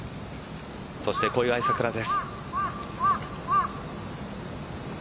そして小祝さくらです。